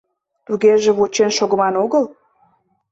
Тугеже вучен шогыман огыл!